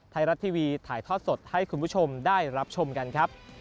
ไทยรัฐทีวีถ่ายทอดสดให้คุณผู้ชมได้รับชมกันครับ